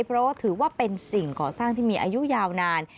เพราะว่าถือว่าเป็นสิ่งก่อสร้างที่มีอายุยาวนาน